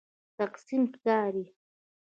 تقسیم ښکاري.